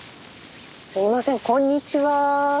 すいませんこんにちは。